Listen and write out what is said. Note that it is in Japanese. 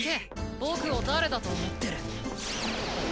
僕を誰だと思ってる！